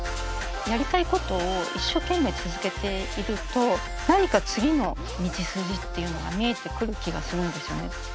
やりたいことを一生懸命続けていると何か次の道筋っていうのが見えてくる気がするんですよね。